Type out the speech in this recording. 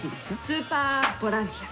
スーパーボランティア。